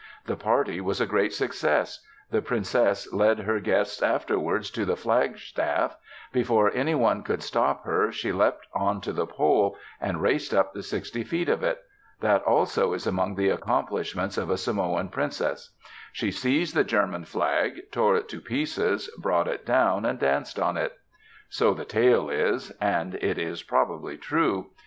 The party was a great success. The princess led her guests afterwards to the flag staff. Before anyone could stop her, she leapt on to the pole and raced up the sixty feet of it. That also is among the accomplishments of a Samoan princess. She seized the German flag, tore it to pieces, brought it down, and danced on it. So the tale is; and it is probably true.